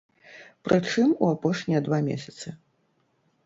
Прычым у апошнія два месяцы!